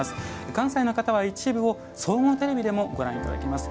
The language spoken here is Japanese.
関西の方は一部を総合テレビでもご覧いただけます。